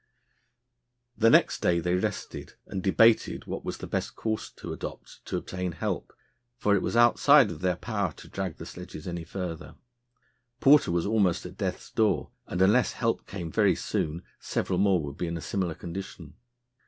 The next day they rested and debated what was the best course to adopt to obtain help, for it was outside of their power to drag the sledges any farther. Porter was almost at death's door, and unless help came very soon several more would be in a similar condition.